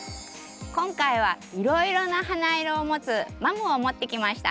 今回はいろいろな花色を持つマムを持ってきました。